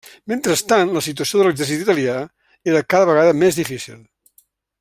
Mentrestant, la situació de l'exèrcit italià era cada vegada més difícil.